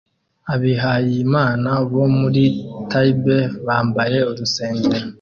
Abihayimana bo muri Tibet bambaye urusengero